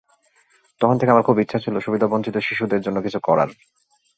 তখন থেকেই আমার খুব ইচ্ছা ছিল সুবিধাবঞ্চিত শিশুদের জন্য কিছু করার।